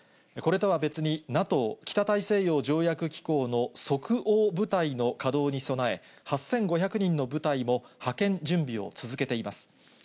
これとは別にＮＡＴＯ・北大西洋条約機構の即応部隊の稼働に備え、８５００人の部隊も派遣準備を続けています。